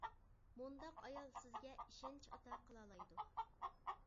مۇنداق ئايال سىزگە ئىشەنچ ئاتا قىلالايدۇ.